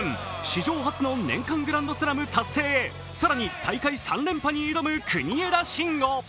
史上初の年間グランドスラム達成へ更に大会３連覇に挑む国枝慎吾。